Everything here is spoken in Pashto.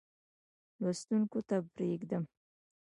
لوستونکو ته پرېږدم.